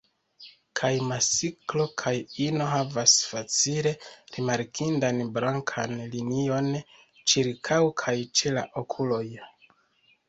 Kaj masklo kaj ino havas facile rimarkindan blankan linion ĉirkaŭ kaj ĉe la okuloj.